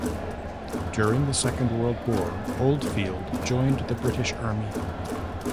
During the Second World War Oldfield joined the British Army.